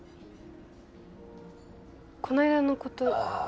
この間のことああ